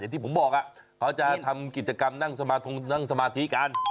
อย่างที่ผมบอกอะเขาจะทำกิจกรรมนั่งสมาธิกัน